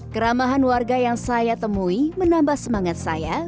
keramahan warga yang saya temui menambah semangat saya